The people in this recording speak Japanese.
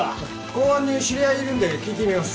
公安に知り合いいるんで聞いてみます。